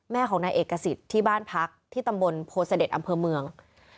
แม่ของนายเอกสิทธิ์ที่บ้านพักที่ตำบลโพเสด็จอำเภอเมือง